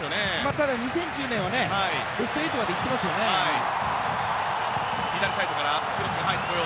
ただ２０１０年はベスト８まで行ってますからね。